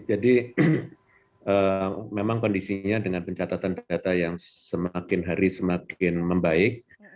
jadi memang kondisinya dengan pencatatan data yang semakin hari semakin membaik